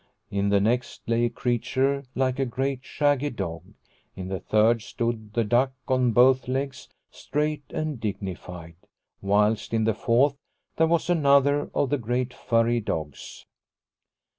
In the next lay a creature like a great shaggy dog ; in the third stood the duck on both legs, straight and dignified. Whilst in the fourth there was another of the great furry dogs.